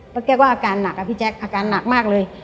แกก็อาการหนักอะพี่แจ๊คอาการหนักมากเลย